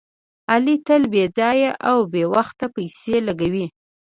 علي تل بې ځایه او بې وخته پیسې لګوي.